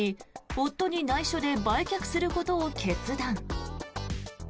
夫に内緒で売却することを決断。